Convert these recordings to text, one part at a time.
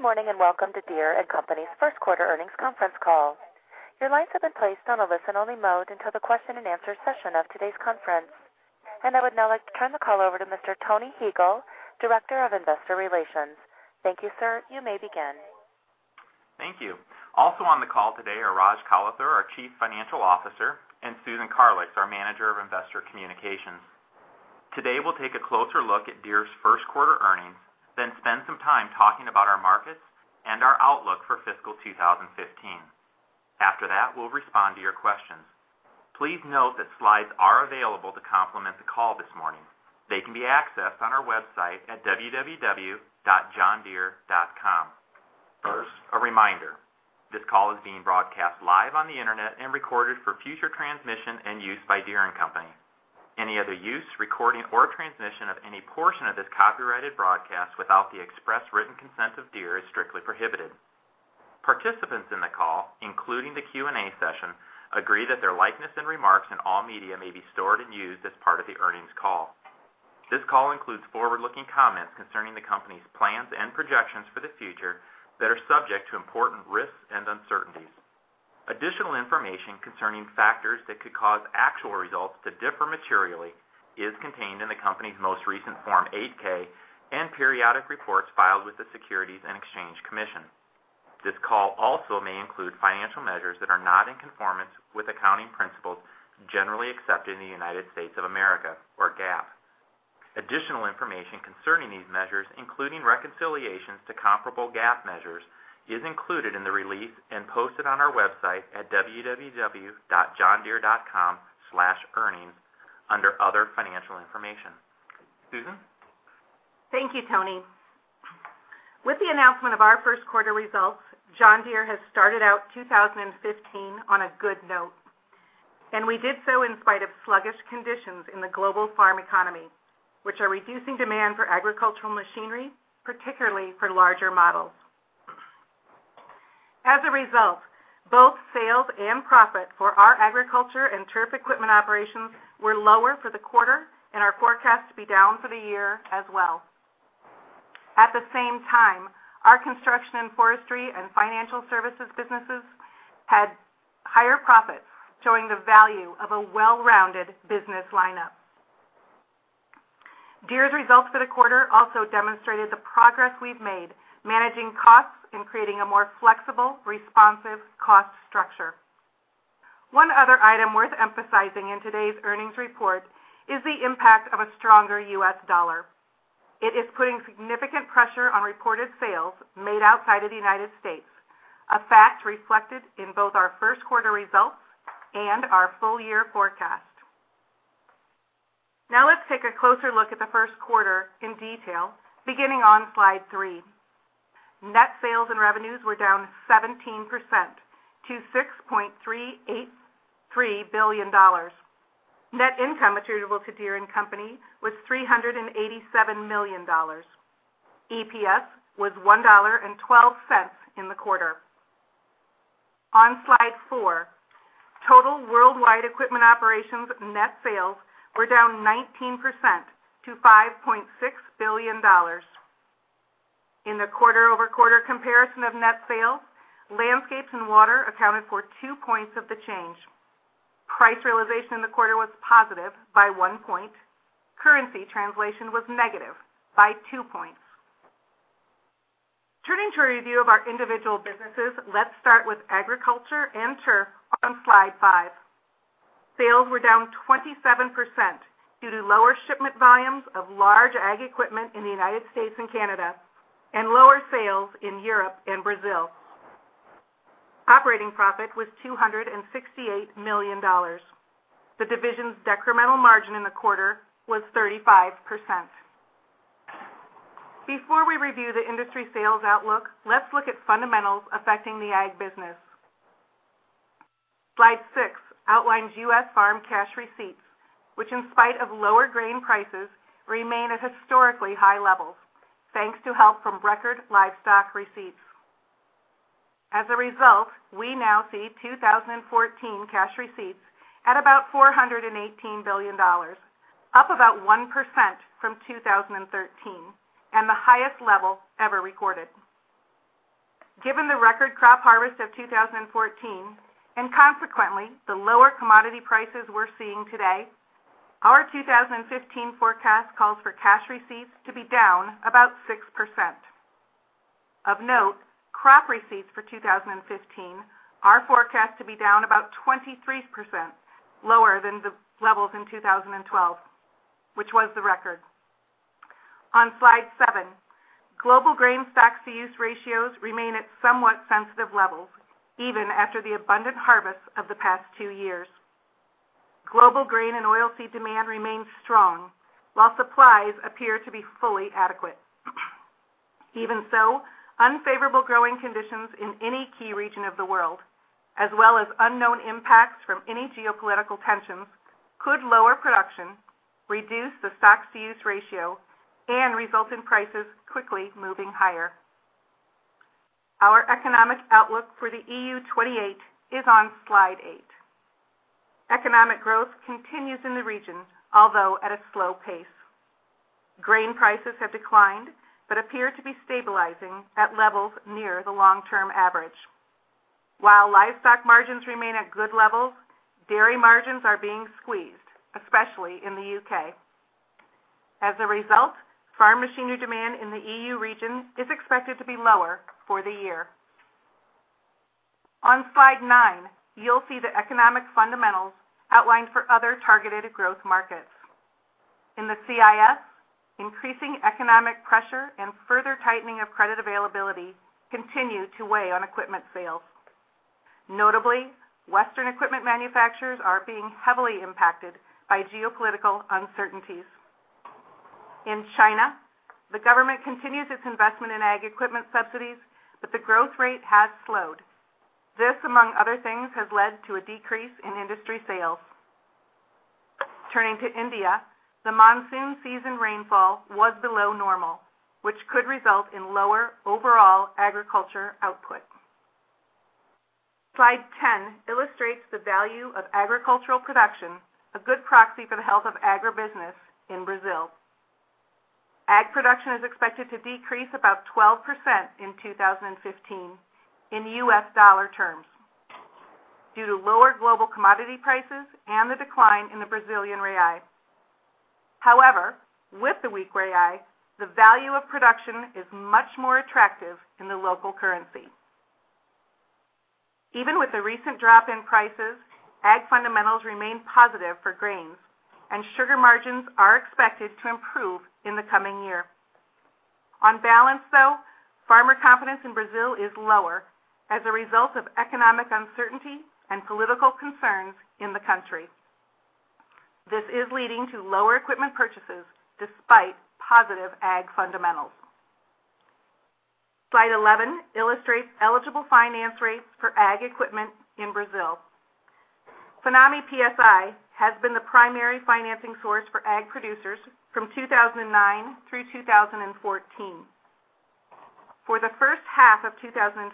Good morning. Welcome to Deere & Company's first quarter earnings conference call. Your lines have been placed on a listen-only mode until the question and answer session of today's conference. I would now like to turn the call over to Mr. Tony Huegel, Director of Investor Relations. Thank you, sir. You may begin. Thank you. Also on the call today are Rajesh Kalathur, our Chief Financial Officer, and Susan Karlix, our Manager of Investor Communications. We'll take a closer look at Deere's first quarter earnings, then spend some time talking about our markets and our outlook for fiscal 2015. After that, we'll respond to your questions. Please note that slides are available to complement the call this morning. They can be accessed on our website at www.johndeere.com. First, a reminder, this call is being broadcast live on the internet and recorded for future transmission and use by Deere & Company. Any other use, recording, or transmission of any portion of this copyrighted broadcast without the express written consent of Deere is strictly prohibited. Participants in the call, including the Q&A session, agree that their likeness and remarks in all media may be stored and used as part of the earnings call. This call includes forward-looking comments concerning the company's plans and projections for the future that are subject to important risks and uncertainties. Additional information concerning factors that could cause actual results to differ materially is contained in the company's most recent Form 8-K and periodic reports filed with the Securities and Exchange Commission. This call also may include financial measures that are not in conformance with accounting principles generally accepted in the United States of America, or GAAP. Additional information concerning these measures, including reconciliations to comparable GAAP measures, is included in the release and posted on our website at www.johndeere.com/earnings under Other Financial Information. Susan? Thank you, Tony. With the announcement of our first quarter results, John Deere has started out 2015 on a good note. We did so in spite of sluggish conditions in the global farm economy, which are reducing demand for agricultural machinery, particularly for larger models. Both sales and profit for our agriculture and turf equipment operations were lower for the quarter and are forecast to be down for the year as well. Our Construction & Forestry and financial services businesses had higher profits, showing the value of a well-rounded business lineup. Deere's results for the quarter also demonstrated the progress we've made managing costs and creating a more flexible, responsive cost structure. One other item worth emphasizing in today's earnings report is the impact of a stronger U.S. dollar. It is putting significant pressure on reported sales made outside of the U.S., a fact reflected in both our first quarter results and our full-year forecast. Let's take a closer look at the first quarter in detail, beginning on slide three. Net sales and revenues were down 17% to $6.383 billion. Net income attributable to Deere & Company was $387 million. EPS was $1.12 in the quarter. On slide four, total worldwide equipment operations net sales were down 19% to $5.6 billion. In the quarter-over-quarter comparison of net sales, Landscapes and Water accounted for two points of the change. Price realization in the quarter was positive by one point. Currency translation was negative by two points. Turning to a review of our individual businesses, let's start with agriculture and turf on slide five. Sales were down 27% due to lower shipment volumes of large ag equipment in the U.S. and Canada and lower sales in Europe and Brazil. Operating profit was $268 million. The division's decremental margin in the quarter was 35%. Before we review the industry sales outlook, let's look at fundamentals affecting the ag business. Slide six outlines U.S. farm cash receipts, which in spite of lower grain prices, remain at historically high levels, thanks to help from record livestock receipts. As a result, we now see 2014 cash receipts at about $418 billion, up about 1% from 2013, and the highest level ever recorded. Given the record crop harvest of 2014, and consequently, the lower commodity prices we're seeing today, our 2015 forecast calls for cash receipts to be down about 6%. Of note, crop receipts for 2015 are forecast to be down about 23% lower than the levels in 2012, which was the record. On slide seven, global grain stocks to use ratios remain at somewhat sensitive levels, even after the abundant harvest of the past two years. Global grain and oil seed demand remains strong, while supplies appear to be fully adequate. Even so, unfavorable growing conditions in any key region of the world, as well as unknown impacts from any geopolitical tensions, could lower production, reduce the stocks to use ratio, and result in prices quickly moving higher. Our economic outlook for the EU 28 is on Slide 8. Economic growth continues in the region, although at a slow pace. Grain prices have declined but appear to be stabilizing at levels near the long-term average. While livestock margins remain at good levels, dairy margins are being squeezed, especially in the U.K. As a result, farm machinery demand in the EU region is expected to be lower for the year. On Slide 9, you'll see the economic fundamentals outlined for other targeted growth markets. In the CIS, increasing economic pressure and further tightening of credit availability continue to weigh on equipment sales. Notably, Western equipment manufacturers are being heavily impacted by geopolitical uncertainties. In China, the government continues its investment in ag equipment subsidies, but the growth rate has slowed. This, among other things, has led to a decrease in industry sales. Turning to India, the monsoon season rainfall was below normal, which could result in lower overall agriculture output. Slide 10 illustrates the value of agricultural production, a good proxy for the health of agribusiness in Brazil. Ag production is expected to decrease about 12% in 2015 in US dollar terms due to lower global commodity prices and the decline in the Brazilian real. However, with the weak real, the value of production is much more attractive in the local currency. Even with the recent drop in prices, ag fundamentals remain positive for grains, and sugar margins are expected to improve in the coming year. On balance, though, farmer confidence in Brazil is lower as a result of economic uncertainty and political concerns in the country. This is leading to lower equipment purchases despite positive ag fundamentals. Slide 11 illustrates eligible finance rates for ag equipment in Brazil. Finame/PSI has been the primary financing source for ag producers from 2009 through 2014. For the first half of 2015,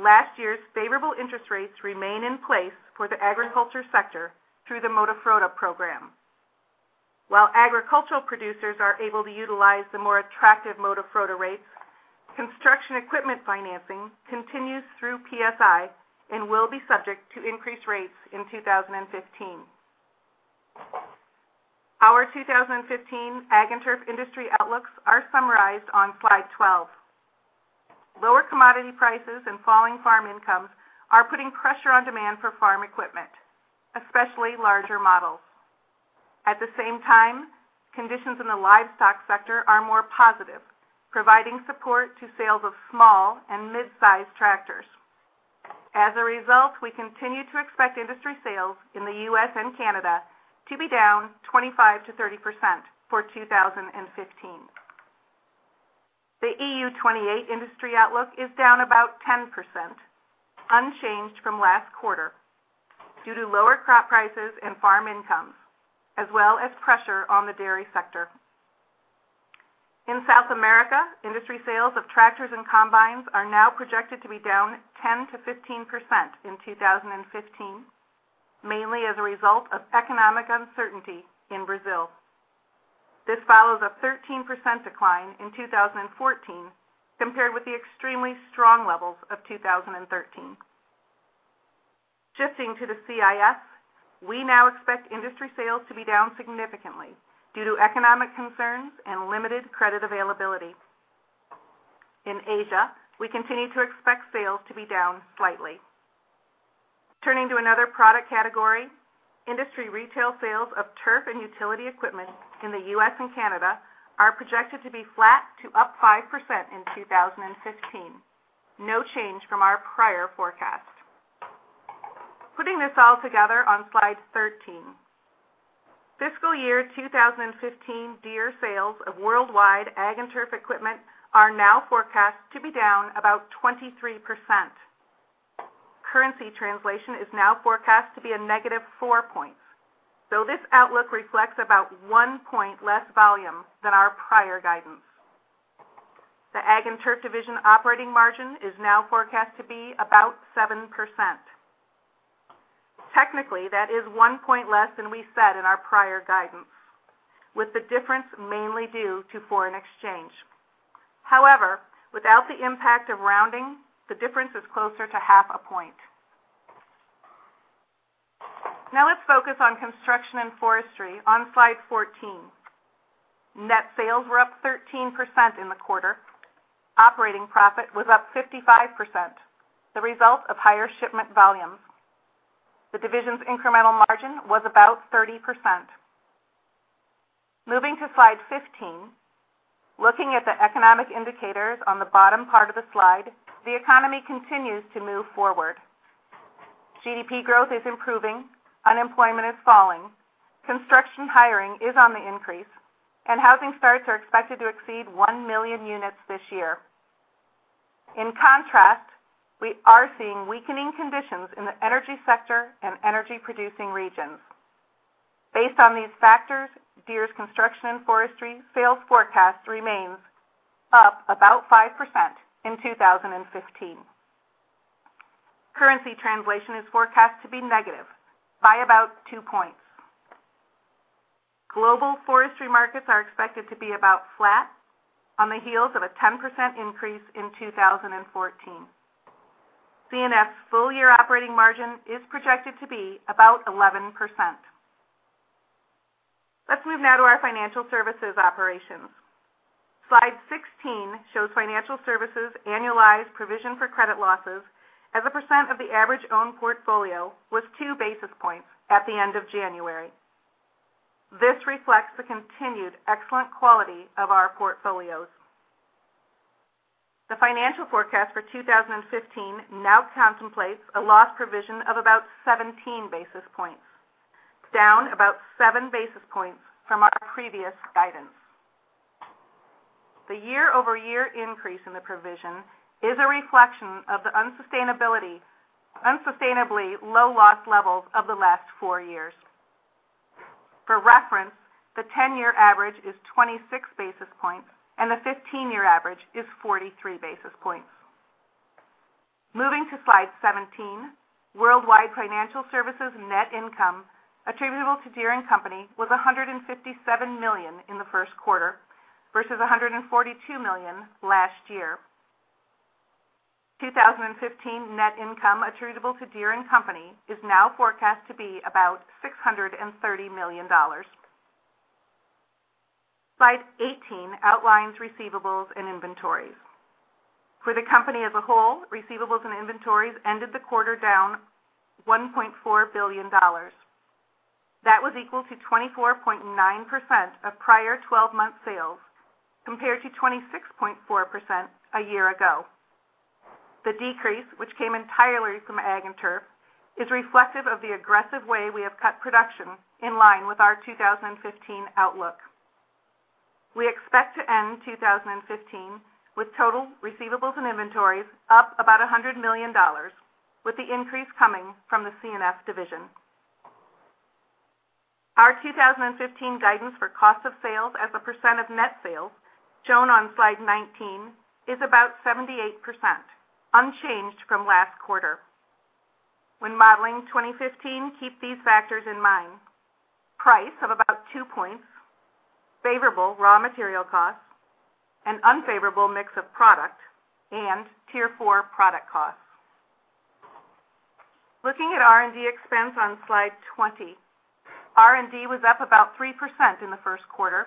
last year's favorable interest rates remain in place for the agriculture sector through the Moderfrota program. While agricultural producers are able to utilize the more attractive Moderfrota rates, construction equipment financing continues through PSI and will be subject to increased rates in 2015. Our 2015 Ag and Turf industry outlooks are summarized on Slide 12. Lower commodity prices and falling farm incomes are putting pressure on demand for farm equipment, especially larger models. At the same time, conditions in the livestock sector are more positive, providing support to sales of small and mid-size tractors. As a result, we continue to expect industry sales in the U.S. and Canada to be down 25%-30% for 2015. The EU 28 industry outlook is down about 10%, unchanged from last quarter, due to lower crop prices and farm incomes, as well as pressure on the dairy sector. In South America, industry sales of tractors and combines are now projected to be down 10%-15% in 2015, mainly as a result of economic uncertainty in Brazil. This follows a 13% decline in 2014, compared with the extremely strong levels of 2013. Shifting to the CIS, we now expect industry sales to be down significantly due to economic concerns and limited credit availability. In Asia, we continue to expect sales to be down slightly. Turning to another product category, industry retail sales of turf and utility equipment in the U.S. and Canada are projected to be flat to up 5% in 2015. No change from our prior forecast. Putting this all together on Slide 13. Fiscal year 2015 Deere sales of worldwide Ag and Turf equipment are now forecast to be down about 23%. Currency translation is now forecast to be a negative four points, though this outlook reflects about one point less volume than our prior guidance. The Ag and Turf division operating margin is now forecast to be about 7%. Technically, that is one point less than we said in our prior guidance. However, without the impact of rounding, the difference is closer to half a point. Now, let's focus on Construction & Forestry on Slide 14. Net sales were up 13% in the quarter. Operating profit was up 55%, the result of higher shipment volumes. The division's incremental margin was about 30%. Moving to Slide 15. Looking at the economic indicators on the bottom part of the slide, the economy continues to move forward. GDP growth is improving, unemployment is falling, construction hiring is on the increase, and housing starts are expected to exceed 1 million units this year. In contrast, we are seeing weakening conditions in the energy sector and energy-producing regions. Based on these factors, Deere's construction and forestry sales forecast remains up about 5% in 2015. Currency translation is forecast to be negative by about two points. Global forestry markets are expected to be about flat on the heels of a 10% increase in 2014. C&F's full-year operating margin is projected to be about 11%. Let's move now to our financial services operations. Slide 16 shows financial services annualized provision for credit losses as a percent of the average own portfolio was two basis points at the end of January. This reflects the continued excellent quality of our portfolios. The financial forecast for 2015 now contemplates a loss provision of about 17 basis points, down about seven basis points from our previous guidance. The year-over-year increase in the provision is a reflection of the unsustainably low loss levels of the last four years. For reference, the 10-year average is 26 basis points, and the 15-year average is 43 basis points. Moving to Slide 17, worldwide financial services net income attributable to Deere & Company was $157 million in the first quarter versus $142 million last year. 2015 net income attributable to Deere & Company is now forecast to be about $630 million. Slide 18 outlines receivables and inventories. For the company as a whole, receivables and inventories ended the quarter down $1.4 billion. That was equal to 24.9% of prior 12-month sales, compared to 26.4% a year ago. The decrease, which came entirely from Ag and Turf, is reflective of the aggressive way we have cut production in line with our 2015 outlook. We expect to end 2015 with total receivables and inventories up about $100 million, with the increase coming from the C&F division. Our 2015 guidance for cost of sales as a percent of net sales, shown on Slide 19, is about 78%, unchanged from last quarter. When modeling 2015, keep these factors in mind. Price of about two points, favorable raw material costs, an unfavorable mix of product, and Tier 4 product costs. Looking at R&D expense on Slide 20. R&D was up about 3% in the first quarter,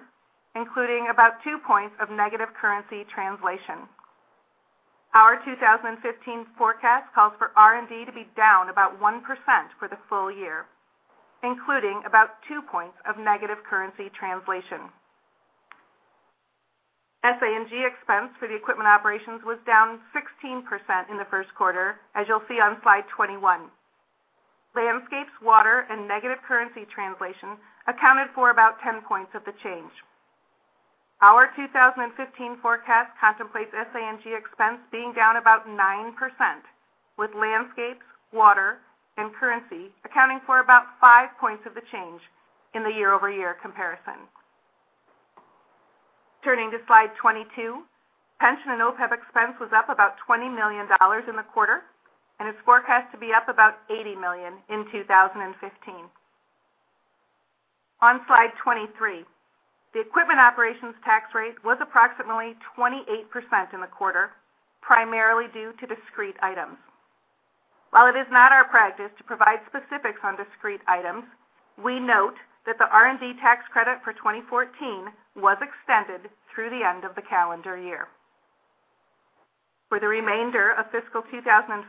including about two points of negative currency translation. Our 2015 forecast calls for R&D to be down about 1% for the full year, including about two points of negative currency translation. SA&G expense for the equipment operations was down 16% in the first quarter, as you'll see on Slide 21. Landscapes and Water, and negative currency translation accounted for about 10 points of the change. Our 2015 forecast contemplates SA&G expense being down about 9%, with Landscapes and Water, and currency accounting for about five points of the change in the year-over-year comparison. Turning to Slide 22, pension and OPEB expense was up about $20 million in the quarter, and is forecast to be up about $80 million in 2015. On Slide 23, the equipment operations tax rate was approximately 28% in the quarter, primarily due to discrete items. While it is not our practice to provide specifics on discrete items, we note that the R&D tax credit for 2014 was extended through the end of the calendar year. For the remainder of fiscal 2015,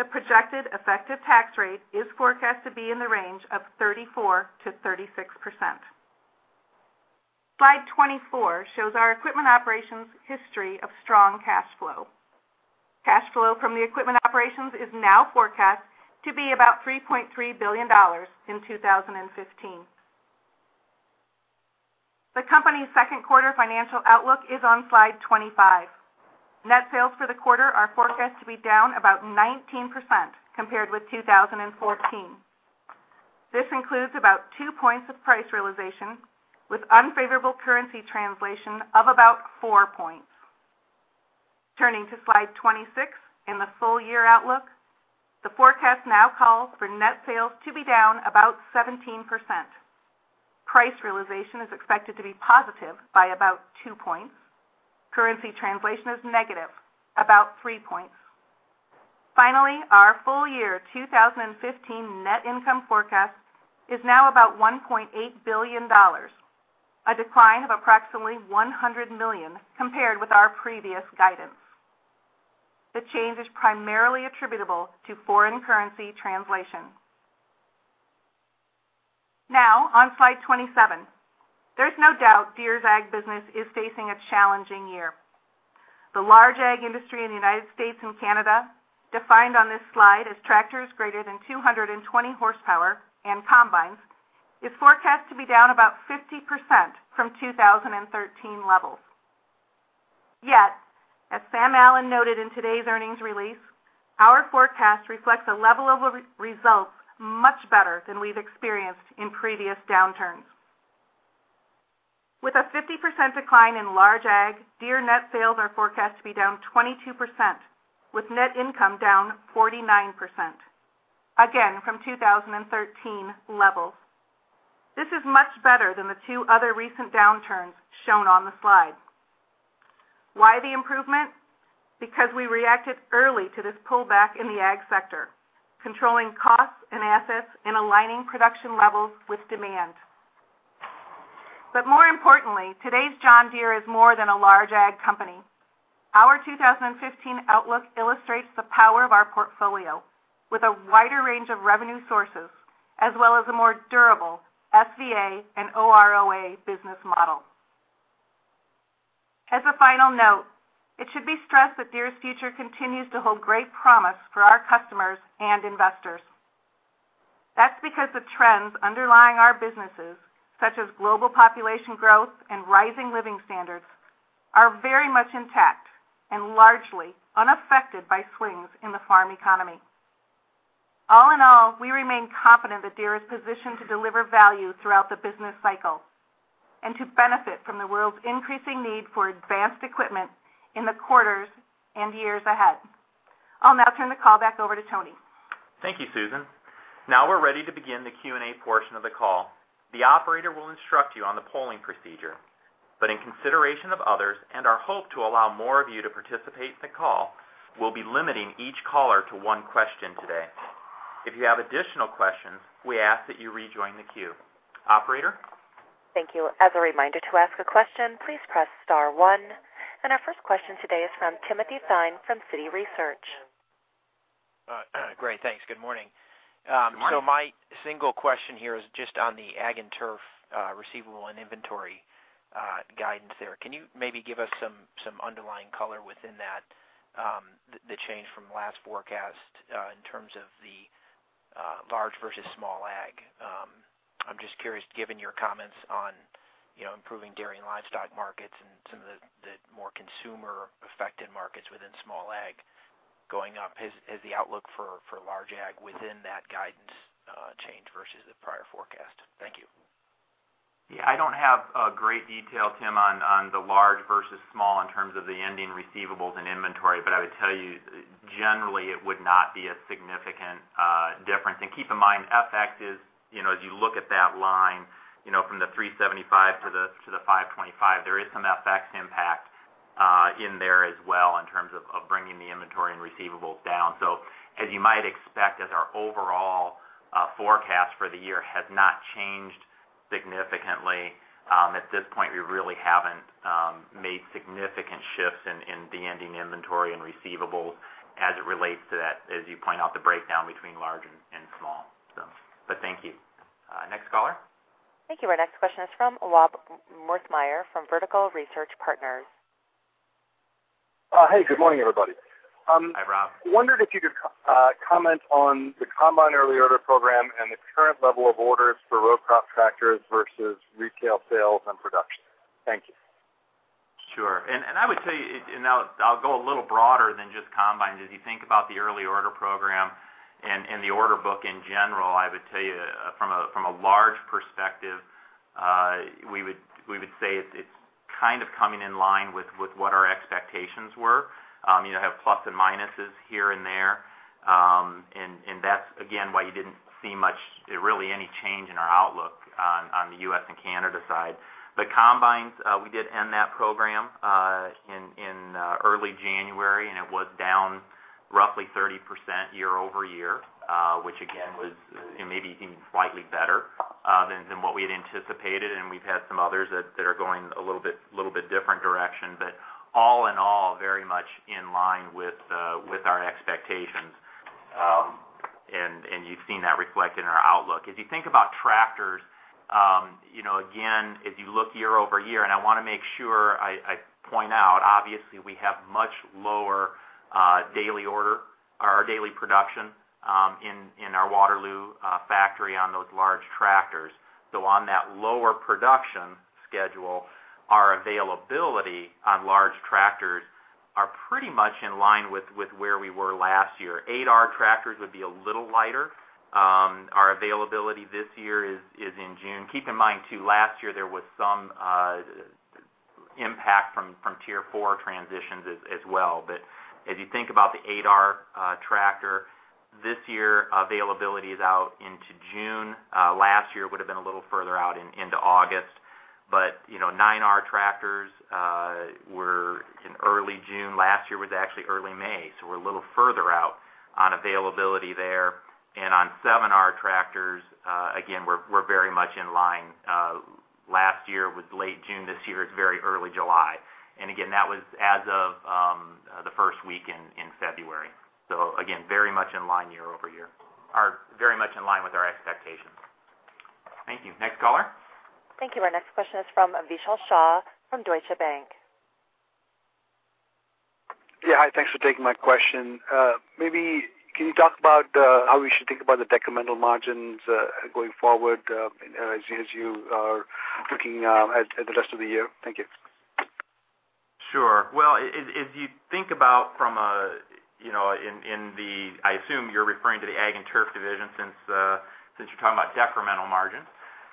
the projected effective tax rate is forecast to be in the range of 34%-36%. Slide 24 shows our equipment operations history of strong cash flow. Cash flow from the equipment operations is now forecast to be about $3.3 billion in 2015. The company's second quarter financial outlook is on Slide 25. Net sales for the quarter are forecast to be down about 19% compared with 2014. This includes about two points of price realization, with unfavorable currency translation of about four points. Turning to Slide 26 and the full-year outlook, the forecast now calls for net sales to be down about 17%. Price realization is expected to be positive by about two points. Currency translation is negative, about three points. Finally, our full-year 2015 net income forecast is now about $1.8 billion, a decline of approximately $100 million compared with our previous guidance. The change is primarily attributable to foreign currency translation. Now, on Slide 27, there's no doubt Deere's Ag business is facing a challenging year. The large Ag industry in the United States and Canada, defined on this slide as tractors greater than 220 horsepower and combines, is forecast to be down about 50% from 2013 levels. Yet, as Sam Allen noted in today's earnings release, our forecast reflects a level of results much better than we've experienced in previous downturns. With a 50% decline in large Ag, Deere net sales are forecast to be down 22%, with net income down 49%, again from 2013 levels. This is much better than the two other recent downturns shown on the slide. Why the improvement? Because we reacted early to this pullback in the Ag sector, controlling costs and assets and aligning production levels with demand. But more importantly, today's John Deere is more than a large Ag company. Our 2015 outlook illustrates the power of our portfolio with a wider range of revenue sources, as well as a more durable SVA and OROA business model. As a final note, it should be stressed that Deere's future continues to hold great promise for our customers and investors. That's because the trends underlying our businesses, such as global population growth and rising living standards, are very much intact and largely unaffected by swings in the farm economy. All in all, we remain confident that Deere is positioned to deliver value throughout the business cycle and to benefit from the world's increasing need for advanced equipment in the quarters and years ahead. I'll now turn the call back over to Tony. Thank you, Susan. Now we're ready to begin the Q&A portion of the call. The operator will instruct you on the polling procedure, in consideration of others and our hope to allow more of you to participate in the call, we'll be limiting each caller to one question today. If you have additional questions, we ask that you rejoin the queue. Operator? Thank you. As a reminder, to ask a question, please press *1. Our first question today is from Timothy Thein from Citigroup. Great, thanks. Good morning. Good morning. My single question here is just on the Ag and Turf receivable and inventory guidance there. Can you maybe give us some underlying color within that, the change from last forecast in terms of the large versus small ag? I am just curious, given your comments on improving dairy and livestock markets and some of the more consumer-affected markets within small ag going up, has the outlook for large ag within that guidance changed versus the prior forecast? Thank you. I don't have great detail, Tim, on the large versus small in terms of the ending receivables and inventory. I would tell you, generally, it would not be a significant difference. Keep in mind, FX is, as you look at that line from the $375 to the $525, there is some FX impact in there as well in terms of bringing the inventory and receivables down. As you might expect, as our overall forecast for the year has not changed significantly, at this point, we really haven't made significant shifts in the ending inventory and receivables as it relates to that, as you point out, the breakdown between large and small. Thank you. Next caller? Thank you. Our next question is from Rob Wertheimer from Vertical Research Partners. Hey, good morning, everybody. Hi, Rob. Wondered if you could comment on the combine early order program and the current level of orders for row crop tractors versus retail sales and production. Thank you. Sure. I would tell you, I'll go a little broader than just combines. As you think about the early order program and the order book in general, I would tell you from a large perspective, we would say it's kind of coming in line with what our expectations were. You have plus and minuses here and there. That's, again, why you didn't see much, really any change in our outlook on the U.S. and Canada side. The combines, we did end that program in early January, and it was down roughly 30% year-over-year, which again was maybe even slightly better than what we had anticipated. We've had some others that are going a little bit different direction. All in all, very much in line with our expectations. You've seen that reflected in our outlook. If you think about tractors, again, if you look year-over-year, I want to make sure I point out, obviously we have much lower daily order or daily production in our Waterloo factory on those large tractors. On that lower production schedule, our availability on large tractors are pretty much in line with where we were last year. 8R tractors would be a little lighter. Our availability this year is in June. Keep in mind too, last year there was some impact from Tier 4 transitions as well. If you think about the 8R tractor, this year availability is out into June. Last year it would've been a little further out into August. 9R tractors were in early June. Last year was actually early May, so we're a little further out on availability there. On 7R tractors, again, we're very much in line. Last year it was late June, this year it's very early July. Again, that was as of the first week in February. Again, very much in line year-over-year, or very much in line with our expectations. Thank you. Next caller? Thank you. Our next question is from Vishal Shah from Deutsche Bank. Yeah. Hi, thanks for taking my question. Maybe can you talk about how we should think about the decremental margins going forward as you are looking at the rest of the year? Thank you. Sure. Well, I assume you're referring to the Ag and Turf division since you're talking about decremental margins.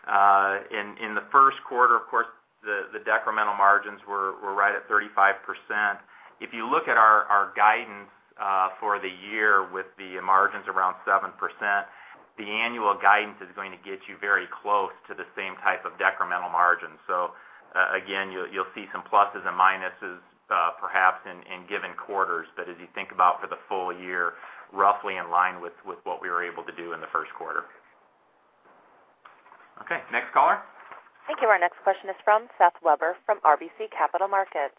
In the first quarter, of course, the decremental margins were right at 35%. If you look at our guidance for the year with the margins around 7%, the annual guidance is going to get you very close to the same type of decremental margins. Again, you'll see some pluses and minuses perhaps in given quarters, but as you think about for the full year, roughly in line with what we were able to do in the first quarter. Okay, next caller. Thank you. Our next question is from Seth Weber from RBC Capital Markets.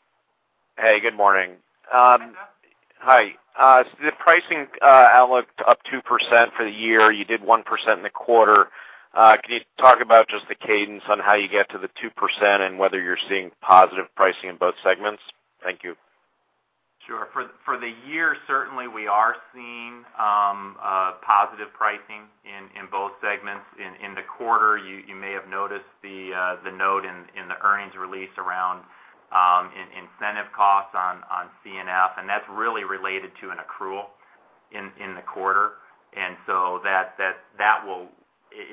Hey, good morning. Hi, Seth. Hi. The pricing outlook up 2% for the year. You did 1% in the quarter. Can you talk about just the cadence on how you get to the 2% and whether you're seeing positive pricing in both segments? Thank you. Sure. For the year, certainly, we are seeing positive pricing in both segments. In the quarter, you may have noticed the note in the earnings release around incentive costs on C&F, and that's really related to an accrual in the quarter. If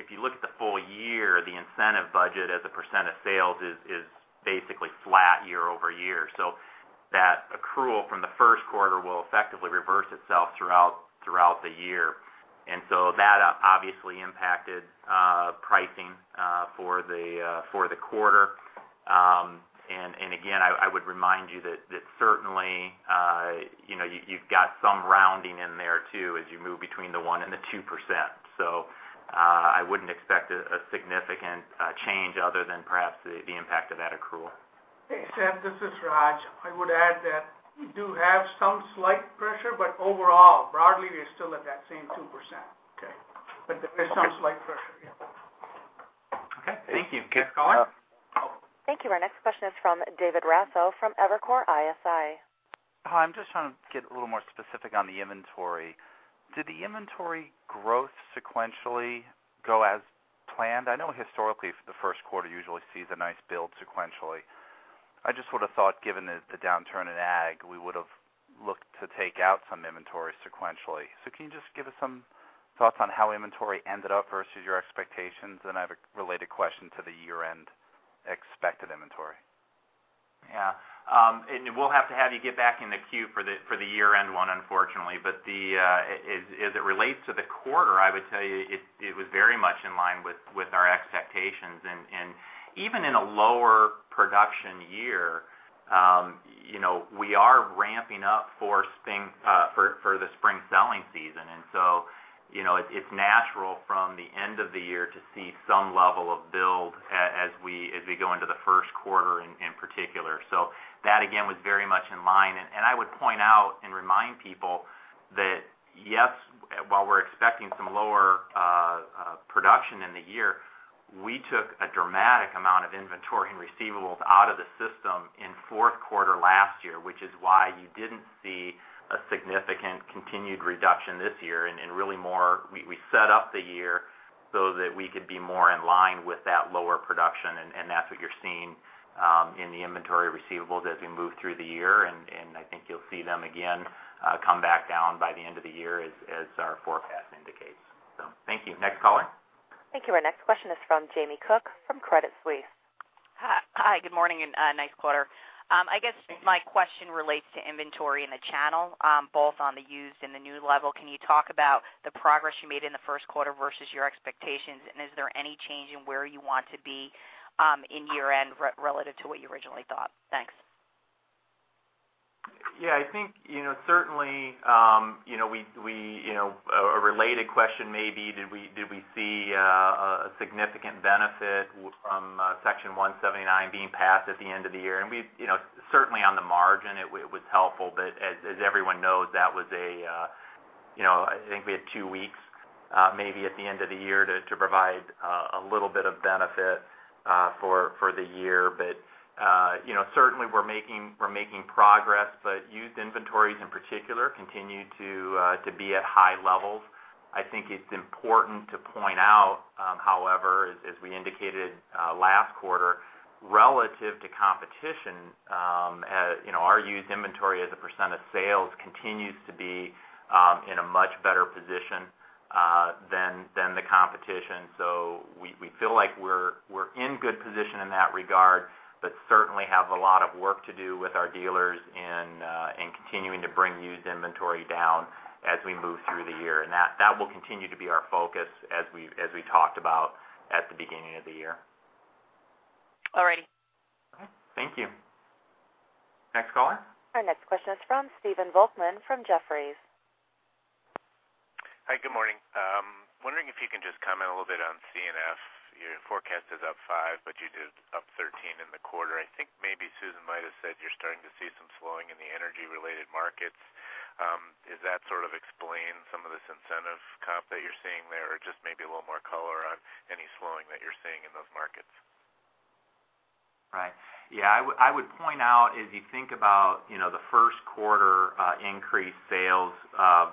you look at the full year, the incentive budget as a % of sales is basically flat year-over-year. That accrual from the first quarter will effectively reverse itself throughout the year. That obviously impacted pricing for the quarter. Again, I would remind you that certainly you've got some rounding in there too as you move between the one and the 2%. I wouldn't expect a significant change other than perhaps the impact of that accrual. Hey, Seth, this is Raj. I would add that we do have some slight pressure, but overall, broadly, we're still at that same 2%. Okay. There is some slight pressure, yeah. Okay. Thank you. Next caller. Thank you. Our next question is from David Raso from Evercore ISI. Hi, I'm just trying to get a little more specific on the inventory. Did the inventory growth sequentially go as planned? I know historically the first quarter usually sees a nice build sequentially. I just would've thought given the downturn in Ag, we would've looked to take out some inventory sequentially. Can you just give us some thoughts on how inventory ended up versus your expectations? And I have a related question to the year-end expected inventory. Yeah. We'll have to have you get back in the queue for the year-end one unfortunately, but as it relates to the quarter, I would tell you it was very much in line with our expectations. Even in a lower production year we are ramping up for the spring selling season. It's natural from the end of the year to see some level of build as we go into the first quarter in particular. That again, was very much in line. I would point out and remind people that, yes, while we're expecting some lower production in the year, we took a dramatic amount of inventory and receivables out of the system in fourth quarter last year, which is why you didn't see a significant continued reduction this year and really more we set up the year so that we could be more in line with that lower production. That's what you're seeing in the inventory receivables as we move through the year. I think you'll see them again come back down by the end of the year as our forecast indicates. Thank you. Next caller. Thank you. Our next question is from Jamie Cook from Credit Suisse. Hi. Good morning, nice quarter. I guess my question relates to inventory in the channel both on the used and the new level. Can you talk about the progress you made in the first quarter versus your expectations? Is there any change in where you want to be in year-end relative to what you originally thought? Thanks. I think certainly a related question maybe, did we see a significant benefit from Section 179 being passed at the end of the year? Certainly on the margin it was helpful, but as everyone knows, I think we had two weeks maybe at the end of the year to provide a little bit of benefit for the year. Certainly we're making progress, but used inventories in particular continue to be at high levels. I think it's important to point out, however, as we indicated last quarter, relative to competition our used inventory as a percent of sales continues to be in a much better position than the competition. We feel like we're in good position in that regard, but certainly have a lot of work to do with our dealers in continuing to bring used inventory down as we move through the year. That will continue to be our focus as we talked about at the beginning of the year. Alrighty. Okay. Thank you. Next caller. Our next question is from Stephen Volkmann from Jefferies. Hi, good morning. Wondering if you can just comment a little bit on C&F. Your forecast is up five, but you did up 13 in the quarter. I think maybe Susan might have said you're starting to see some slowing in the energy-related markets. Does that sort of explain some of this incentive comp that you're seeing there? Just maybe a little more color on any slowing that you're seeing in those markets. Right. Yeah, I would point out, as you think about the first quarter increased sales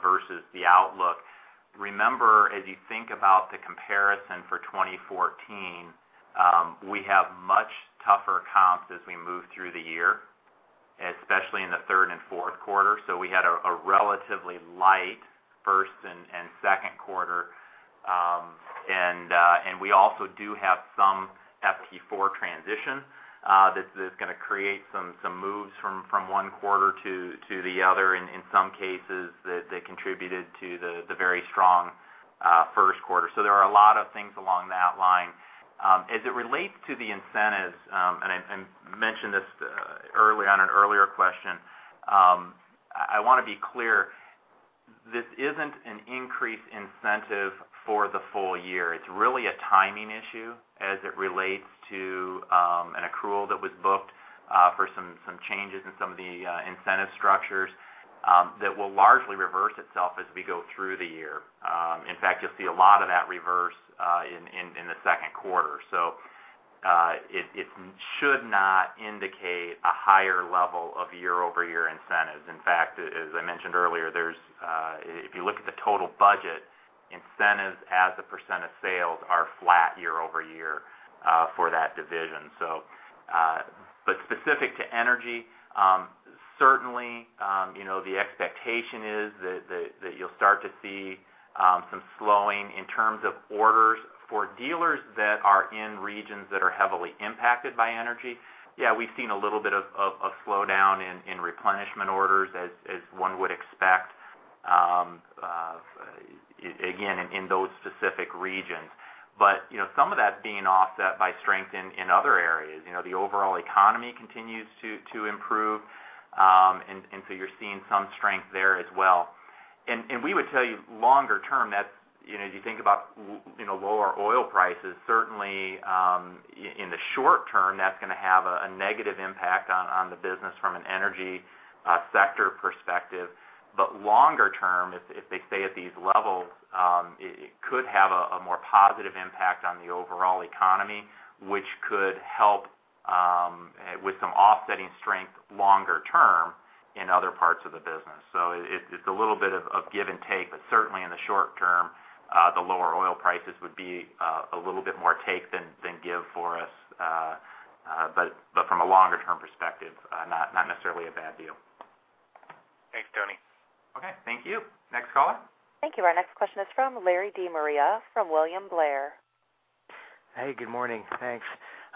versus the outlook, remember, as you think about the comparison for 2014, we have much tougher comps as we move through the year, especially in the third and fourth quarter. We had a relatively light first and second quarter. We also do have some FT4 transition that is going to create some moves from one quarter to the other in some cases that contributed to the very strong first quarter. There are a lot of things along that line. As it relates to the incentives, and I mentioned this on an earlier question, I want to be clear, this isn't an increased incentive for the full year. It's really a timing issue as it relates to an accrual that was booked for some changes in some of the incentive structures that will largely reverse itself as we go through the year. In fact, you'll see a lot of that reverse in the second quarter. It should not indicate a higher level of year-over-year incentives. In fact, as I mentioned earlier, if you look at the total budget, incentives as a % of sales are flat year-over-year for that division. Specific to energy, certainly the expectation is that you'll start to see some slowing in terms of orders for dealers that are in regions that are heavily impacted by energy. Yeah, we've seen a little bit of a slowdown in replenishment orders as one would expect, again, in those specific regions. Some of that's being offset by strength in other areas. The overall economy continues to improve, so you're seeing some strength there as well. We would tell you longer term, as you think about lower oil prices, certainly in the short term, that's going to have a negative impact on the business from an energy sector perspective. Longer term, if they stay at these levels, it could have a more positive impact on the overall economy, which could help with some offsetting strength longer term in other parts of the business. It's a little bit of give and take, certainly in the short term, the lower oil prices would be a little bit more take than give for us. From a longer-term perspective, not necessarily a bad deal. Thanks, Tony. Okay. Thank you. Next caller. Thank you. Our next question is from Larry DeMaria from William Blair. Hey, good morning. Thanks.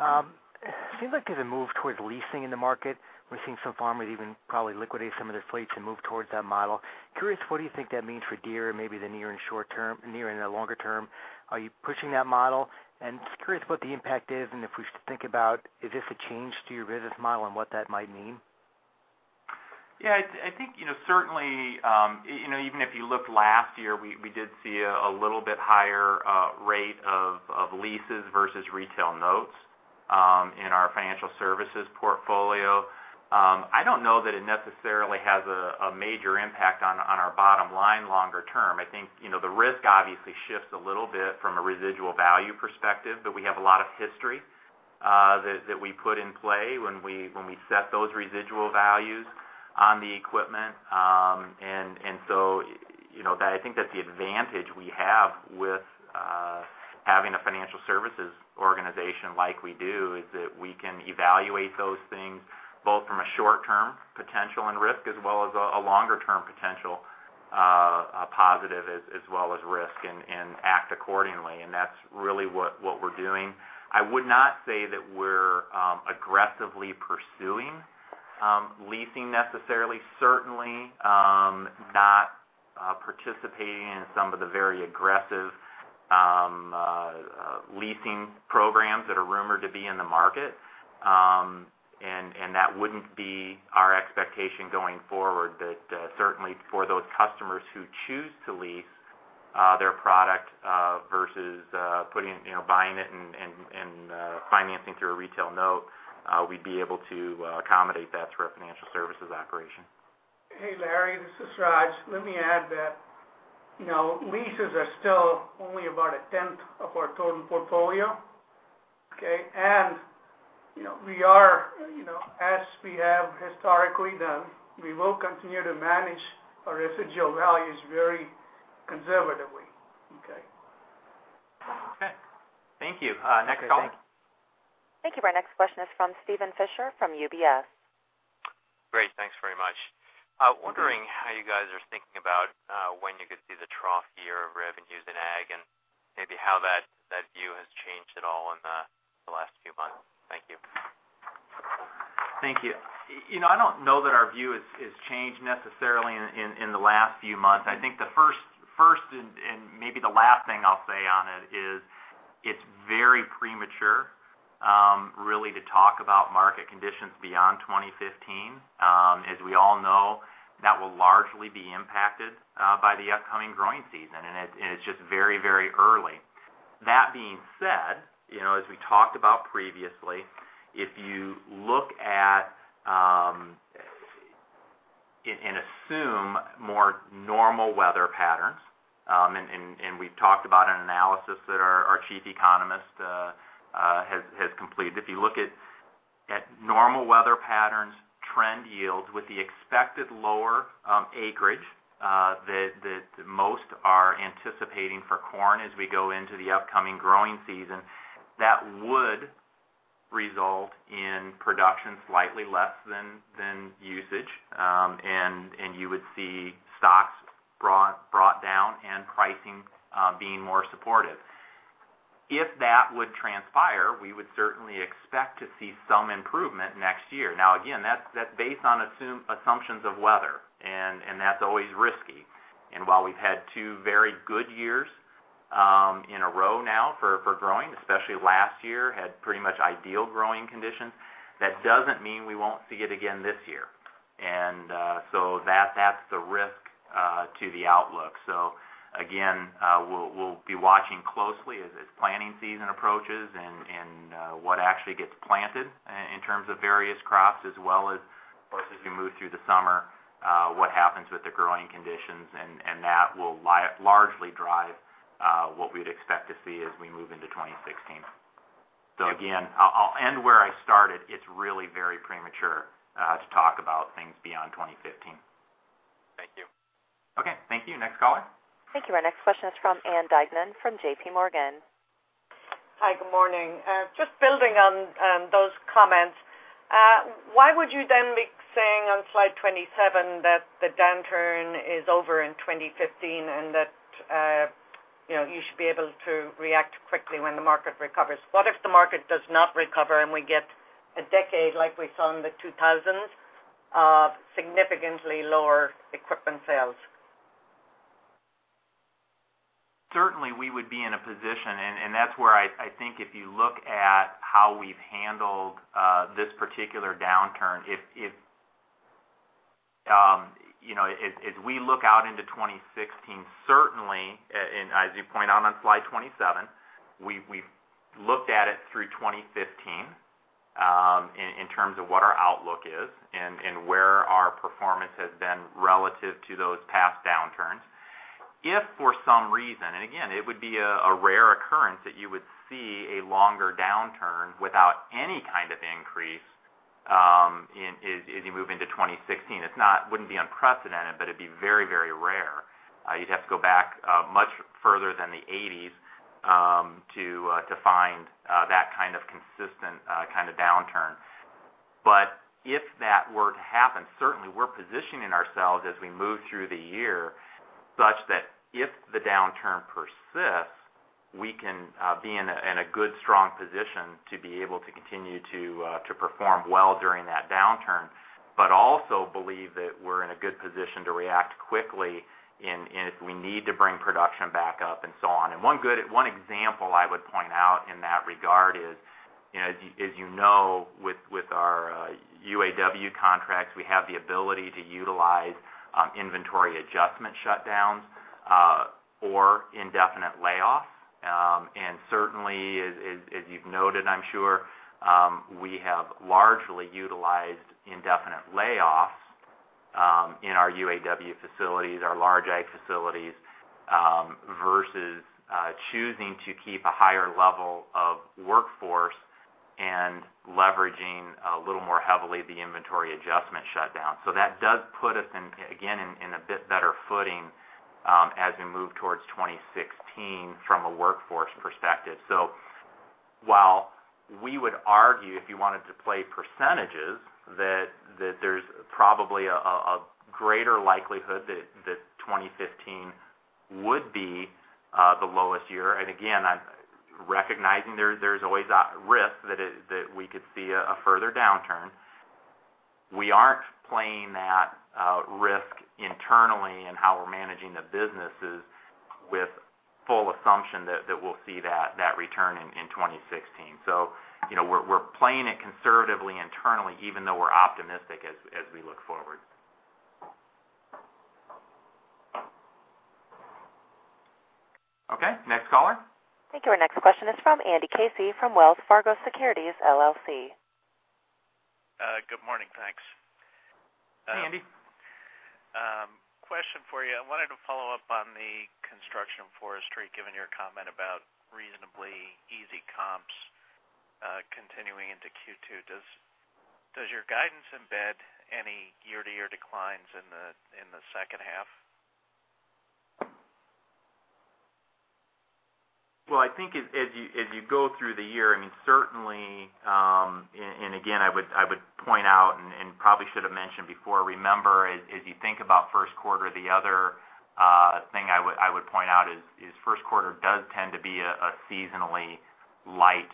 It seems like there's a move towards leasing in the market. We're seeing some farmers even probably liquidate some of their fleets and move towards that model. Curious, what do you think that means for Deere in maybe the near and longer term? Are you pushing that model? Just curious what the impact is and if we think about, is this a change to your business model and what that might mean? Yeah, I think certainly, even if you looked last year, we did see a little bit higher rate of leases versus retail notes in our financial services portfolio. I don't know that it necessarily has a major impact on our bottom line longer term. I think the risk obviously shifts a little bit from a residual value perspective, but we have a lot of history that we put in play when we set those residual values on the equipment. I think that the advantage we have with having a financial services organization like we do is that we can evaluate those things both from a short-term potential and risk as well as a longer-term potential positive as well as risk and act accordingly. That's really what we're doing. I would not say that we're aggressively pursuing leasing necessarily. Certainly not participating in some of the very aggressive leasing programs that are rumored to be in the market. That wouldn't be our expectation going forward that certainly for those customers who choose to lease their product versus buying it and financing through a retail note, we'd be able to accommodate that through our financial services operation. Hey, Larry, this is Raj. Let me add that leases are still only about a tenth of our total portfolio, okay? As we have historically done, we will continue to manage our residual values very conservatively, okay? Okay. Thank you. Next caller. Okay, thank you. Thank you. Our next question is from Steven Fisher from UBS. Great. Thanks very much. Wondering how you guys are thinking about when you could see the trough year of revenues in ag and maybe how that view has changed at all in the last few months. Thank you. Thank you. I don't know that our view has changed necessarily in the last few months. I think the first and maybe the last thing I'll say on it is it's very premature really to talk about market conditions beyond 2015. As we all know, that will largely be impacted by the upcoming growing season, and it's just very early. That being said, as we talked about previously, if you look at and assume more normal weather patterns, and we've talked about an analysis that our chief economist has completed. If you look at normal weather patterns trend yields with the expected lower acreage that most are anticipating for corn as we go into the upcoming growing season, that would result in production slightly less than usage. You would see stocks brought down and pricing being more supportive. If that would transpire, we would certainly expect to see some improvement next year. Now, again, that's based on assumptions of weather, that's always risky. While we've had two very good years in a row now for growing, especially last year had pretty much ideal growing conditions, that doesn't mean we won't see it again this year. That's the risk to the outlook. Again, we'll be watching closely as planning season approaches and what actually gets planted in terms of various crops, as well as, of course, as we move through the summer, what happens with the growing conditions, and that will largely drive what we'd expect to see as we move into 2016. Again, I'll end where I started. It's really very premature to talk about things beyond 2015. Thank you. Okay. Thank you. Next caller. Thank you. Our next question is from Ann Duignan from J.P. Morgan. Hi, good morning. Just building on those comments. Why would you then be saying on slide 27 that the downturn is over in 2015 and that you should be able to react quickly when the market recovers? What if the market does not recover and we get a decade like we saw in the 2000s of significantly lower equipment sales? Certainly, we would be in a position, and that's where I think if you look at how we've handled this particular downturn. If we look out into 2016, certainly, as you point out on slide 27, we've looked at it through 2015 in terms of what our outlook is and where our performance has been relative to those past downturns. If for some reason, again, it would be a rare occurrence that you would see a longer downturn without any kind of increase as you move into 2016. It wouldn't be unprecedented, but it'd be very rare. You'd have to go back much further than the '80s to find that kind of consistent kind of downturn. If that were to happen, certainly we're positioning ourselves as we move through the year such that if the downturn persists, we can be in a good, strong position to be able to continue to perform well during that downturn, but also believe that we're in a good position to react quickly if we need to bring production back up and so on. One example I would point out in that regard is, as you know, with our UAW contracts, we have the ability to utilize inventory adjustment shutdowns or indefinite layoffs. Certainly, as you've noted, I'm sure, we have largely utilized indefinite layoffs in our UAW facilities, our large ag facilities versus choosing to keep a higher level of workforce and leveraging a little more heavily the inventory adjustment shutdown. That does put us, again, in a bit better footing as we move towards 2016 from a workforce perspective. While we would argue if you wanted to play percentages that there's probably a greater likelihood that 2015 would be the lowest year, again, recognizing there's always a risk that we could see a further downturn. We aren't playing that risk internally in how we're managing the businesses with full assumption that we'll see that return in 2016. We're playing it conservatively internally, even though we're optimistic as we look forward. Okay, next caller. Thank you. Our next question is from Andrew Casey from Wells Fargo Securities, LLC. Good morning. Thanks. Hey, Andy. Question for you. I wanted to follow up on the Construction & Forestry, given your comment about reasonably easy comps continuing into Q2. Does your guidance embed any year-to-year declines in the second half? Well, I think as you go through the year, I mean, certainly, again, I would point out and probably should have mentioned before, remember, as you think about first quarter, the other thing I would point out is first quarter does tend to be a seasonally light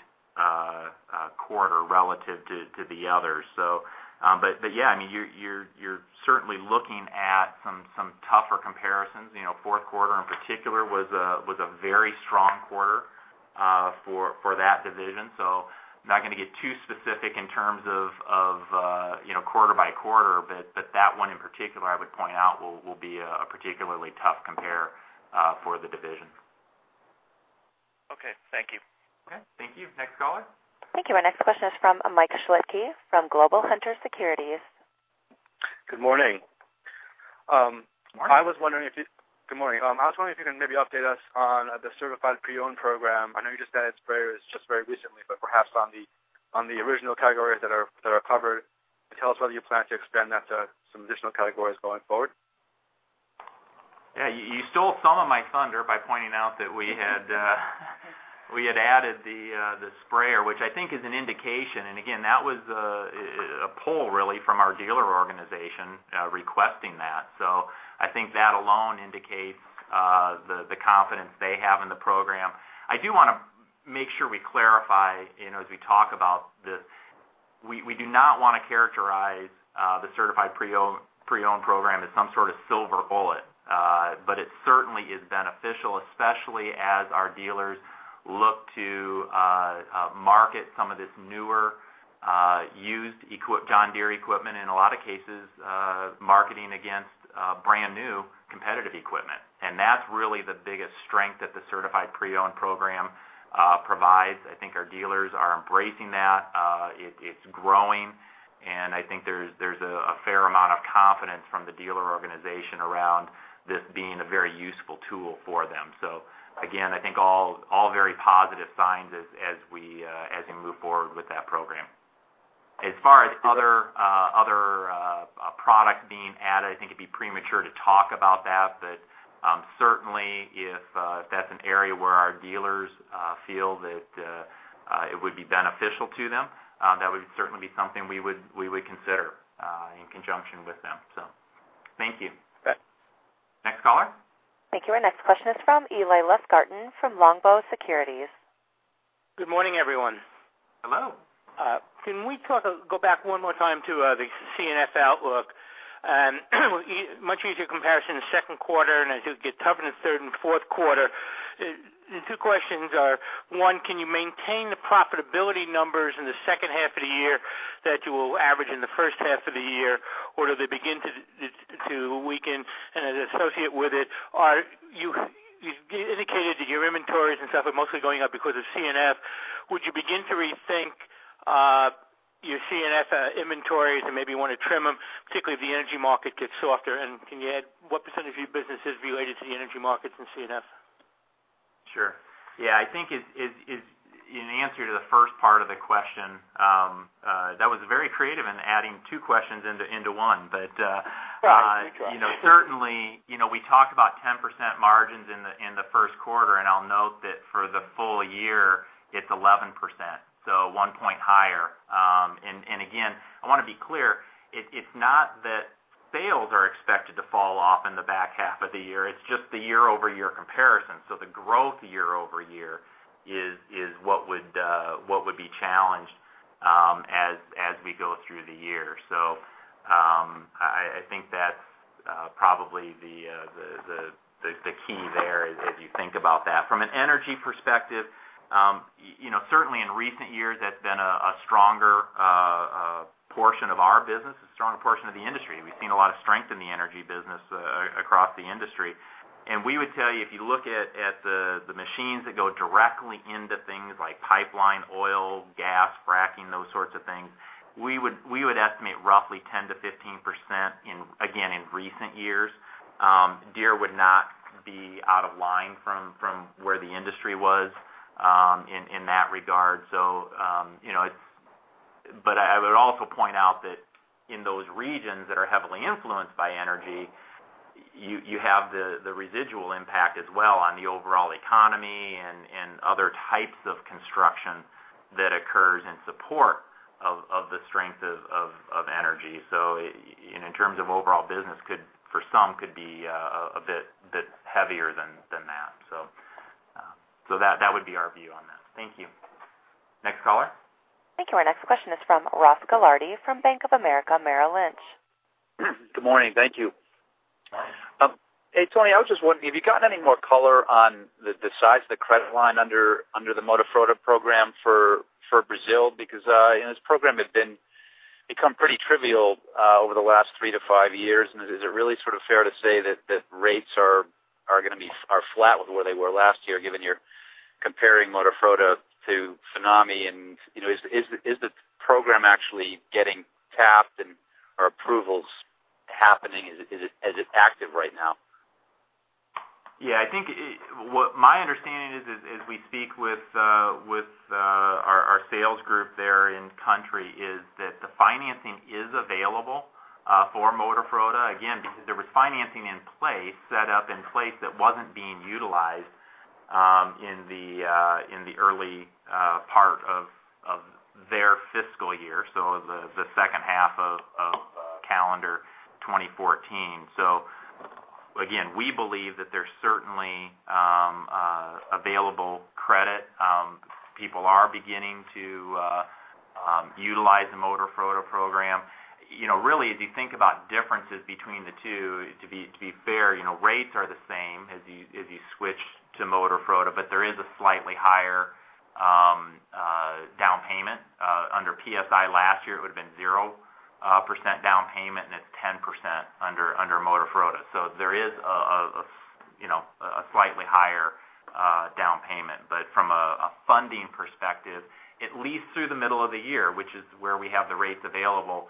quarter relative to the others. Yeah, I mean, you're certainly looking at some tougher comparisons. Fourth quarter in particular was a very strong quarter for that division. I'm not going to get too specific in terms of quarter by quarter, but that one in particular, I would point out will be a particularly tough compare for the division. Okay. Thank you. Okay. Thank you. Next caller. Thank you. Our next question is from Mike Shlisky from Global Hunter Securities. Good morning. Morning. Good morning. I was wondering if you can maybe update us on the certified pre-owned program. I know you just added sprayers just very recently, but perhaps on the original categories that are covered, can you tell us whether you plan to expand that to some additional categories going forward? Yeah. You stole some of my thunder by pointing out that we had added the sprayer, which I think is an indication. Again, that was a poll, really, from our dealer organization requesting that. I think that alone indicates the confidence they have in the program. I do want to make sure we clarify as we talk about this, we do not want to characterize the certified pre-owned program as some sort of silver bullet. It certainly is beneficial, especially as our dealers look to market some of this newer, used John Deere equipment, in a lot of cases, marketing against brand-new competitive equipment. That's really the biggest strength that the certified pre-owned program provides. I think our dealers are embracing that. It's growing, and I think there's a fair amount of confidence from the dealer organization around this being a very useful tool for them. Again, I think all very positive signs as we move forward with that program. As far as other products being added, I think it'd be premature to talk about that. Certainly, if that's an area where our dealers feel that it would be beneficial to them, that would certainly be something we would consider in conjunction with them. Thank you. Okay. Next caller. Thank you. Our next question is from Eli Lustgarten from Longbow Research. Good morning, everyone. Hello. Can we go back one more time to the C&F outlook? Much easier comparison to second quarter, and I think you covered the third and fourth quarter. Two questions are, one, can you maintain the profitability numbers in the second half of the year that you will average in the first half of the year, or do they begin to weaken and then associate with it? You indicated that your inventories and stuff are mostly going up because of C&F. Would you begin to rethink your C&F inventories and maybe want to trim them, particularly if the energy market gets softer? And can you add what % of your business is related to the energy markets in C&F? Sure. Yeah. I think in answer to the first part of the question, that was very creative in adding two questions into one. Well, I try Certainly, we talk about 10% margins in the first quarter, and I'll note that for the full year, it's 11%, so one point higher. Again, I want to be clear, it's not that sales are expected to fall off in the back half of the year. It's just the year-over-year comparison. The growth year-over-year is what would be challenged as we go through the year. I think that's probably the key there as you think about that. From an energy perspective, certainly in recent years, that's been a stronger portion of our business, a stronger portion of the industry. We've seen a lot of strength in the energy business across the industry. We would tell you, if you look at the machines that go directly into things like pipeline, oil, gas, fracking, those sorts of things, we would estimate roughly 10%-15% again, in recent years. Deere would not be out of line from where the industry was in that regard. I would also point out that in those regions that are heavily influenced by energy, you have the residual impact as well on the overall economy and other types of construction that occurs in support of the strength of energy. In terms of overall business, for some, could be a bit heavier than that. That would be our view on that. Thank you. Next caller. Thank you. Our next question is from Ross Gilardi from Bank of America Merrill Lynch. Good morning. Thank you. Hey, Tony, I was just wondering, have you gotten any more color on the size of the credit line under the Moderfrota program for Brazil? This program had become pretty trivial over the last three to five years. Is it really sort of fair to say that rates are flat with where they were last year, given you're comparing Moderfrota to Finame? Is the program actually getting tapped and are approvals happening? Is it active right now? I think what my understanding is as we speak with our sales group there in country, is that the financing is available for Moderfrota, again, because there was financing in place, set up in place that wasn't being utilized in the early part of their fiscal year. The second half of calendar 2014. Again, we believe that there's certainly available credit. People are beginning to utilize the Moderfrota program. Really, as you think about differences between the two, to be fair, rates are the same as you switch to Moderfrota, but there is a slightly higher PSI last year, it would've been 0% down payment, and it's 10% under Moderfrota. There is a slightly higher down payment. From a funding perspective, at least through the middle of the year, which is where we have the rates available,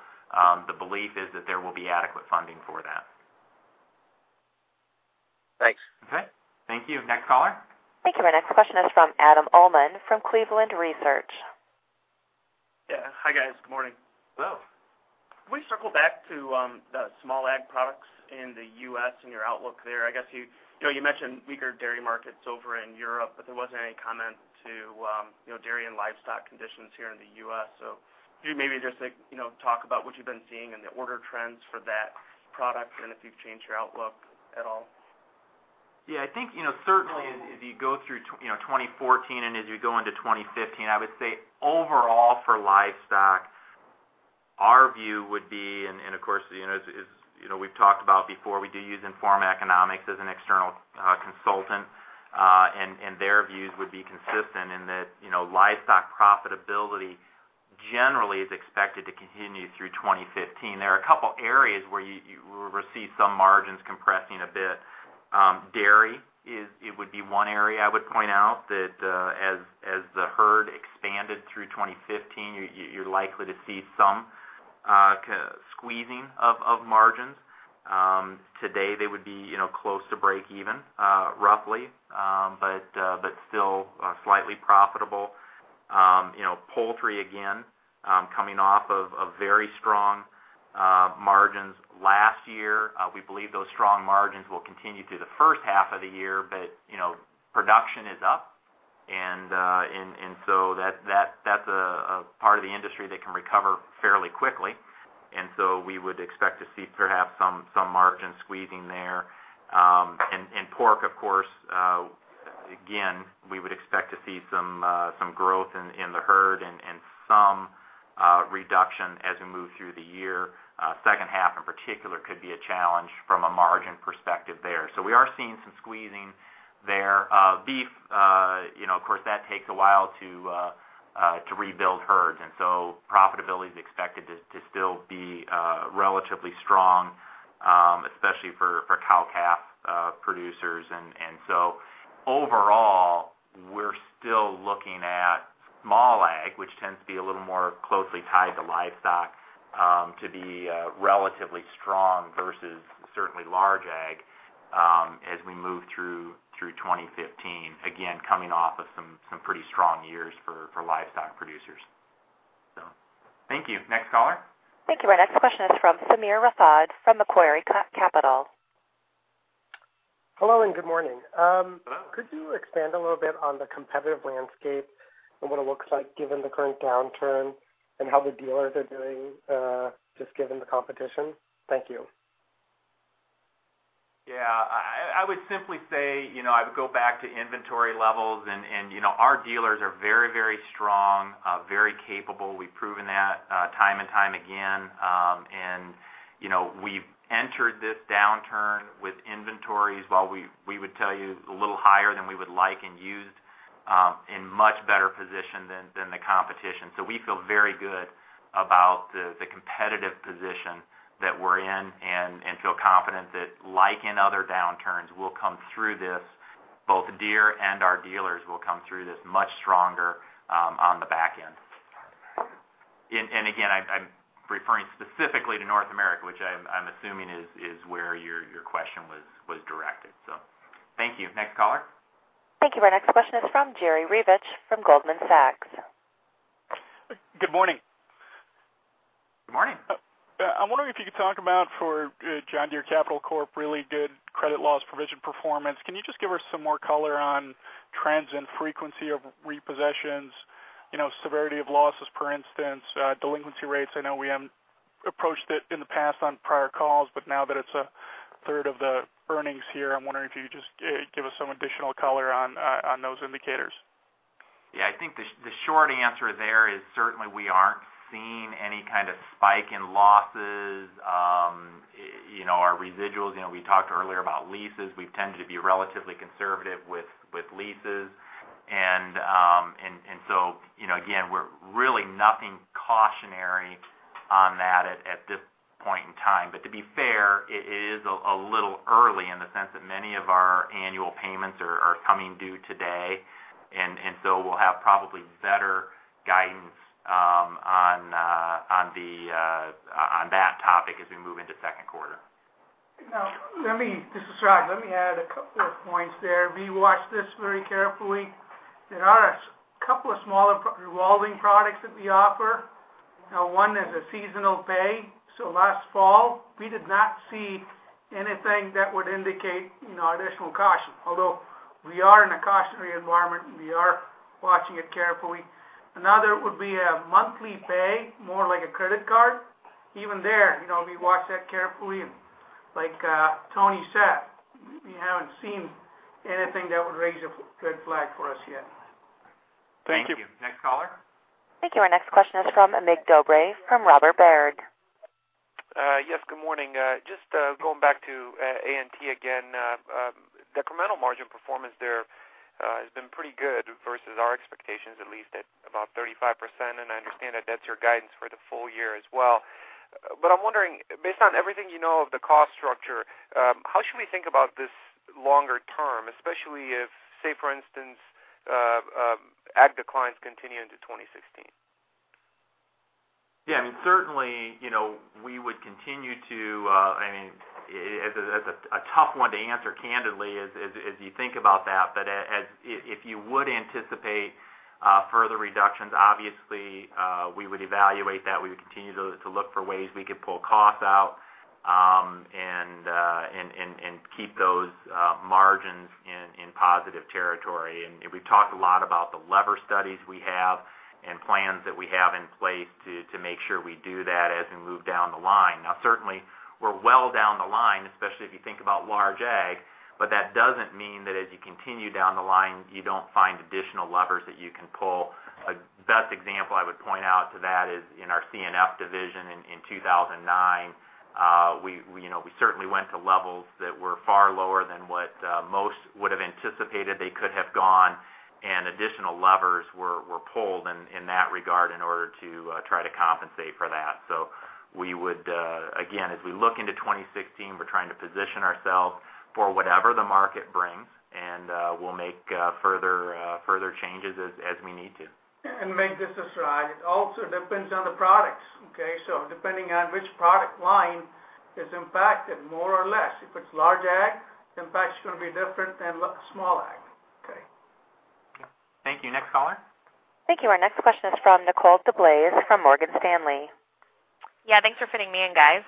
the belief is that there will be adequate funding for that. Thanks. Okay. Thank you. Next caller. Thank you. Our next question is from Adam Uhlman from Cleveland Research. Yeah. Hi, guys. Good morning. Hello. Can we circle back to the small ag products in the U.S. and your outlook there? I guess you mentioned weaker dairy markets over in Europe, but there wasn't any comment to dairy and livestock conditions here in the U.S. Can you maybe just talk about what you've been seeing and the order trends for that product, and if you've changed your outlook at all? I think, certainly as you go through 2014 and as you go into 2015, I would say overall for livestock, our view would be, and of course, we've talked about before, we do use Informa Economics as an external consultant. Their views would be consistent in that livestock profitability generally is expected to continue through 2015. There are a couple areas where you will receive some margins compressing a bit. Dairy would be one area I would point out that as the herd expanded through 2015, you're likely to see some squeezing of margins. Today they would be close to break even, roughly, but still slightly profitable. Poultry, again, coming off of very strong margins last year. We believe those strong margins will continue through the first half of the year. Production is up, that's a part of the industry that can recover fairly quickly. We would expect to see perhaps some margin squeezing there. Pork, of course, again, we would expect to see some growth in the herd and some reduction as we move through the year. Second half in particular could be a challenge from a margin perspective there. We are seeing some squeezing there. Beef, of course, that takes a while to rebuild herds, profitability is expected to still be relatively strong, especially for cow-calf producers. Overall, we're still looking at small ag, which tends to be a little more closely tied to livestock, to be relatively strong versus certainly large ag, as we move through 2015, again, coming off of some pretty strong years for livestock producers. Thank you. Next caller. Thank you. Our next question is from Sameer Rathod from Macquarie Capital. Hello and good morning. Hello. Could you expand a little bit on the competitive landscape and what it looks like given the current downturn and how the dealers are doing just given the competition? Thank you. Yeah. I would simply say, I would go back to inventory levels. Our dealers are very strong, very capable. We've proven that time and time again. We've entered this downturn with inventories while we would tell you a little higher than we would like and used in much better position than the competition. We feel very good about the competitive position that we're in and feel confident that like in other downturns, we'll come through this, both Deere and our dealers will come through this much stronger on the back end. Again, I'm referring specifically to North America, which I'm assuming is where your question was directed. Thank you. Next caller. Thank you. Our next question is from Jerry Revich from Goldman Sachs. Good morning. Good morning. I'm wondering if you could talk about for John Deere Capital Corp, really good credit loss provision performance. Can you just give us some more color on trends and frequency of repossessions, severity of losses, for instance, delinquency rates? I know we haven't approached it in the past on prior calls, but now that it's a third of the earnings here, I'm wondering if you could just give us some additional color on those indicators. I think the short answer there is certainly we aren't seeing any kind of spike in losses. Our residuals, we talked earlier about leases. We've tended to be relatively conservative with leases. Again, we're really nothing cautionary on that at this point in time. To be fair, it is a little early in the sense that many of our annual payments are coming due today. We'll have probably better guidance on that topic as we move into second quarter. This is Raj. Let me add a couple of points there. We watch this very carefully. There are a couple of smaller revolving products that we offer. One is a seasonal pay. Last fall, we did not see anything that would indicate additional caution. Although we are in a cautionary environment, and we are watching it carefully. Another would be a monthly pay, more like a credit card. Even there, we watch that carefully and like Tony said, we haven't seen anything that would raise a good flag for us yet. Thank you. Thank you. Next caller. Thank you. Our next question is from Mig Dobre from Robert W. Baird. Good morning. Just going back to A&T again. Decremental margin performance there has been pretty good versus our expectations, at least at about 35%, and I understand that that's your guidance for the full year as well. I'm wondering, based on everything you know of the cost structure, how should we think about this longer term, especially if, say, for instance, ag declines continue into 2016? Certainly, we would continue to it's a tough one to answer candidly as you think about that. If you would anticipate further reductions, obviously, we would evaluate that. We would continue to look for ways we could pull costs out and keep those margins in positive territory. We've talked a lot about the lever studies we have and plans that we have in place to make sure we do that as we move down the line. Certainly, we're well down the line, especially if you think about large ag, but that doesn't mean that as you continue down the line, you don't find additional levers that you can pull. A best example I would point out to that is in our C&F division in 2009. We certainly went to levels that were far lower than what most would have anticipated they could have gone, and additional levers were pulled in that regard in order to try to compensate for that. We would, again, as we look into 2016, we're trying to position ourselves for whatever the market brings, and we'll make further changes as we need to. May I just interject? It also depends on the products, okay? Depending on which product line is impacted more or less. If it's large ag, the impact is going to be different than small ag. Okay? Thank you. Next caller. Thank you. Our next question is from Nicole DeBlase from Morgan Stanley. Yeah, thanks for fitting me in, guys.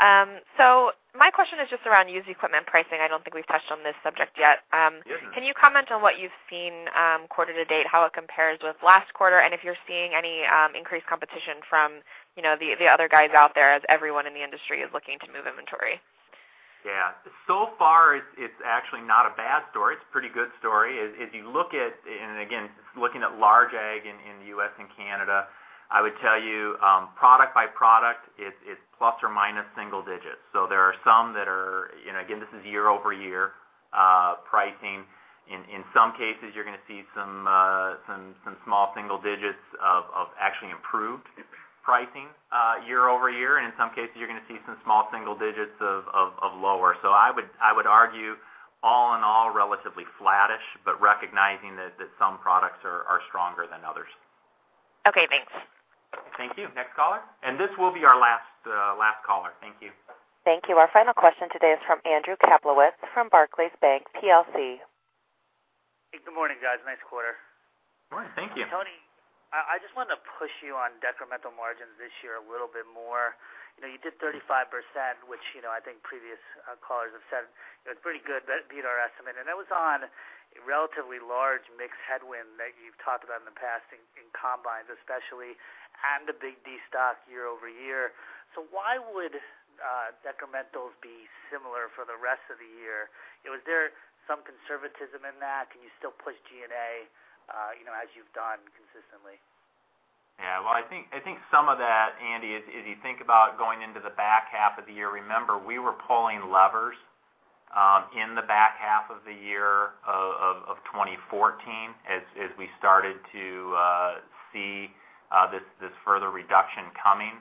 Yeah. My question is just around used equipment pricing. I don't think we've touched on this subject yet. Yes. Can you comment on what you've seen quarter to date, how it compares with last quarter, and if you're seeing any increased competition from the other guys out there as everyone in the industry is looking to move inventory? Yeah. So far, it's actually not a bad story. It's a pretty good story. If you look at, and again, looking at large ag in U.S. and Canada, I would tell you product by product, it's plus or minus single digits. There are some that are and again, this is year-over-year pricing. In some cases, you're going to see some small single digits of actually improved pricing year-over-year. In some cases, you're going to see some small single digits of lower. I would argue all in all, relatively flattish, but recognizing that some products are stronger than others. Okay, thanks. Thank you. Next caller, and this will be our last caller. Thank you. Thank you. Our final question today is from Andrew Kaplowitz from Barclays Bank PLC. Good morning, guys. Nice quarter. Good morning. Thank you. Tony Huegel, I just wanted to push you on decremental margins this year a little bit more. You did 35%, which I think previous callers have said it was pretty good. That beat our estimate, and that was on a relatively large mixed headwind that you've talked about in the past in combines especially, and a big destock year-over-year. Why would decrementals be similar for the rest of the year? Was there some conservatism in that? Can you still push G&A as you've done consistently? Yeah. Well, I think some of that, Andrew Casey, is if you think about going into the back half of the year, remember, we were pulling levers in the back half of the year of 2014 as we started to see this further reduction coming.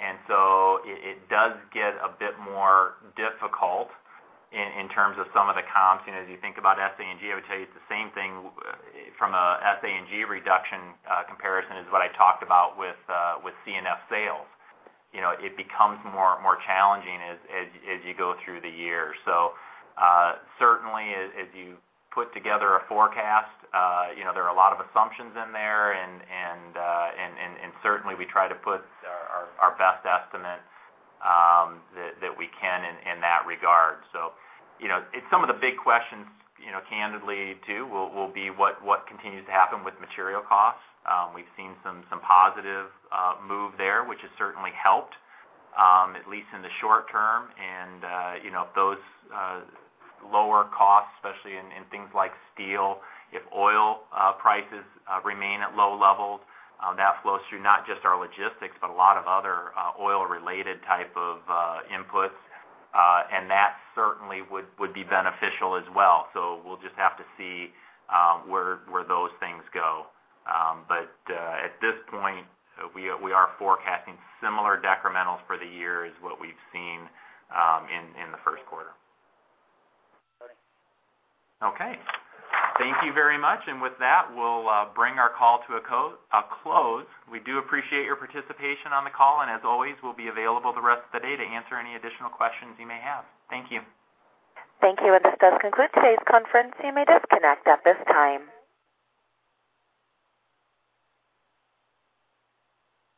It does get a bit more difficult in terms of some of the comps. As you think about SA&G, I would tell you it's the same thing from a SA&G reduction comparison as what I talked about with C&F sales. It becomes more challenging as you go through the year. Certainly, as you put together a forecast, there are a lot of assumptions in there, and certainly, we try to put our best estimate that we can in that regard. Some of the big questions candidly too, will be what continues to happen with material costs. We've seen some positive move there, which has certainly helped, at least in the short term. Those lower costs, especially in things like steel, if oil prices remain at low levels, that flows through not just our logistics, but a lot of other oil-related type of inputs. That certainly would be beneficial as well. We'll just have to see where those things go. At this point, we are forecasting similar decrementals for the year as what we've seen in the first quarter. Got it. Okay. Thank you very much. With that, we'll bring our call to a close. We do appreciate your participation on the call, and as always, we'll be available the rest of the day to answer any additional questions you may have. Thank you. Thank you, this does conclude today's conference. You may disconnect at this time.